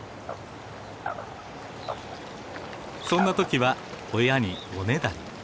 そんな時は親におねだり。